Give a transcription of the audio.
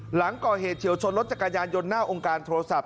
หลังก่อเหตุเฉียวชนรถจักรยานยนต์หน้าองค์การโทรศัพ